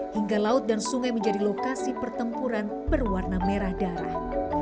hingga laut dan sungai menjadi lokasi pertempuran berwarna merah darah